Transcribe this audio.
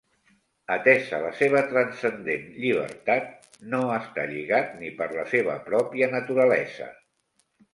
Atesa la seva transcendent llibertat, no està lligat ni per la seva pròpia naturalesa.